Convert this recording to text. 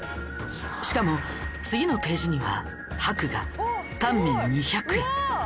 しかも次のページには博雅タンメン２００円。